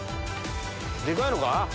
でかいのか？